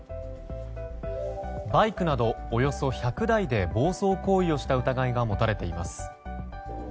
バイクなどおよそ１００台で暴走行為をした疑いが持たれています。